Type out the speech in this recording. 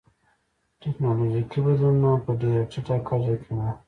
ټکنالوژیکي بدلونونه په ډېره ټیټه کچه کې و